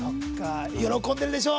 喜んでいるでしょう。